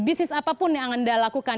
bisnis apapun yang anda lakukan